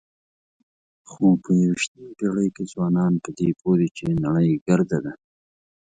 خو په یوویشتمه پېړۍ کې ځوانان په دې پوه دي چې نړۍ ګرده ده.